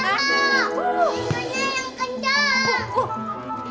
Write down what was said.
jempolnya yang kencang